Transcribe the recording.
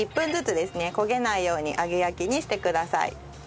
焦げないように揚げ焼きにしてください。